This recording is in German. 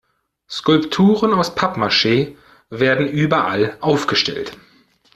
Skulpturen aus Pappmaschee werden überall aufgestellt.